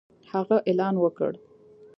هغه اعلان وکړ